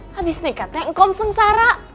habis nikah itu engkau sengsara